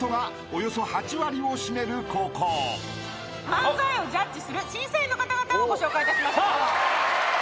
漫才をジャッジする審査員の方々をご紹介いたしましょう。